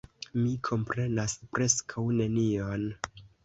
Mi komprenas preskaŭ nenion.